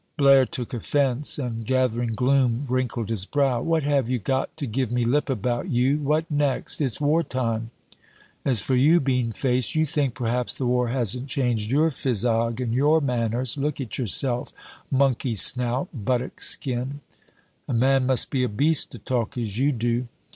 Blaire took offense, and gathering gloom wrinkled his brow. "What have you got to give me lip about, you? What next? It's war time. As for you, bean face, you think perhaps the war hasn't changed your phizog and your manners? Look at yourself, monkey snout, buttock skin! A man must be a beast to talk as you do."